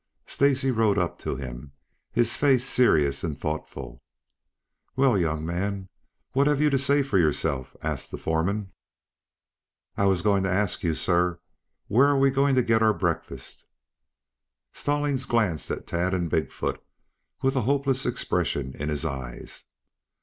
Stacy rode up to them, his face serious and thoughtful. "Well, young man, what have you to say for yourself?" asked the foreman. "I was going to ask you, sir, where we are going to get our breakfast?" Stallings glanced at Tad and Big foot, with a hopeless expression in his eyes.